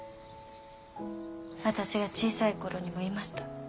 私が小さい頃にもいました。